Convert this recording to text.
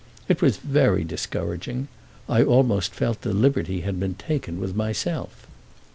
It was very discouraging: I almost felt the liberty had been taken with myself.